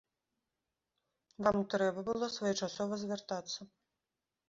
Вам трэба было своечасова звяртацца.